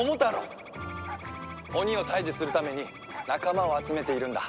鬼を退治するために仲間を集めているんだ。